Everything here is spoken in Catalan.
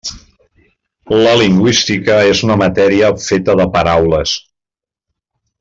La lingüística és una matèria feta de paraules.